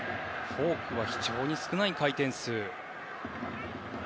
フォークは非常に少ない回転数。